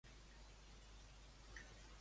On es creu que se situa?